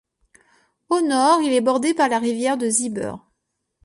Au nord il est bordé par la rivière de Sieber.